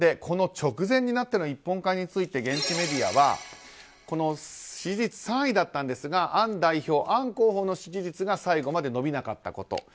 直前になっての一本化について現地メディアは支持率３位だったんですがアン候補の支持率が最後まで伸びなかったこと。